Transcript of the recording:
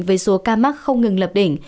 với số ca mắc không ngừng lập đỉnh